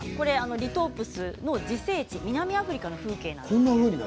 リトープスの自生地の南アフリカの風景です。